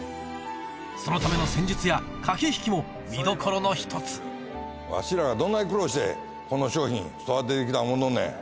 そのための戦術や駆け引きも見どころの１つわしらがどんだけ苦労してこの商品育ててきた思とんねん。